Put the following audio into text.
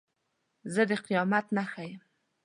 زه د قیامت نښانه یم.